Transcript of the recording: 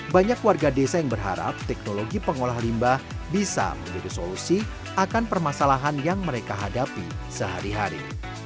banyak warga desa yang berharap teknologi pengolah limbah bisa menjadi solusi akan permasalahan yang mereka hadapi sehari hari